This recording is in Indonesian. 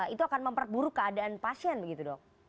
itu akan memperburuk keadaan pasien begitu dok